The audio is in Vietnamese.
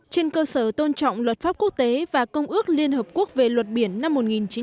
trên cơ sở tôn trọng luật pháp quốc tế và công ước liên hợp quốc về luật biển năm một nghìn chín trăm tám mươi hai